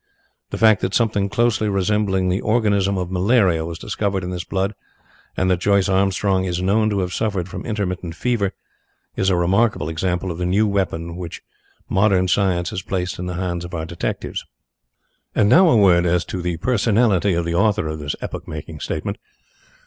The fact that something closely resembling the organism of malaria was discovered in this blood, and that Joyce Armstrong is known to have suffered from intermittent fever, is a remarkable example of the new weapons which modern science has placed in the hands of our detectives. And now a word as to the personality of the author of this epoch making statement.